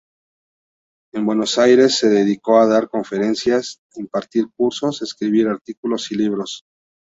En Buenos Aires se dedicó a dar conferencias, impartir cursos, escribir artículos y libros.